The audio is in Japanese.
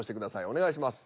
お願いします。